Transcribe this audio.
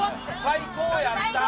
最高やった。